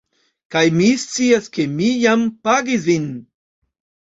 Kaj mi scias ke mi jam pagis vin